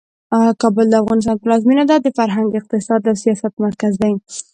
کابل د افغانستان پلازمینه ده او د فرهنګ، اقتصاد او سیاست مرکز دی.